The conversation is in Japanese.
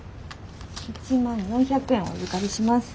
１万４００円お預かりします。